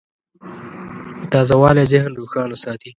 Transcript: تازهوالی ذهن روښانه ساتي.